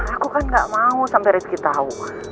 aku kan gak mau sampe rizky tau